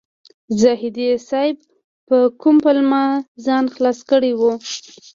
زاهدي صیب په کومه پلمه ځان خلاص کړی و.